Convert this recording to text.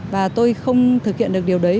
và tôi không thực hiện được điều đấy